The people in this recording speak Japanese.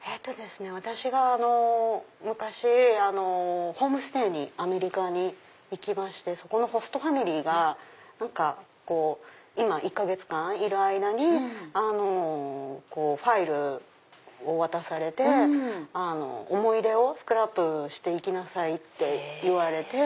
私が昔ホームステイにアメリカに行きましてそこのホストファミリーが１か月間いる間にファイルを渡されて思い出をスクラップして行きなさいって言われて。